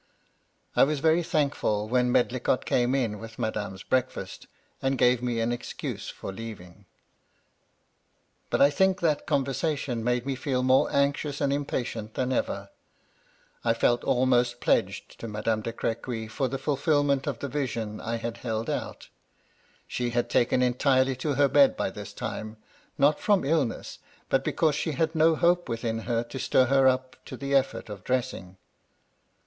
" I was very thankful when Medlicott came in with Madame's breakfast, and gave me an excuse for leaving. " But I think that conversation made me feel more anxious and impatient than ever. I felt almost pledged to Madame de CrAjuy for the fulfilment of the vision I had held out She had taken entirely to her bed by this time ; not from illness, but because she had no hope within her to stir her up to the effort of dressing.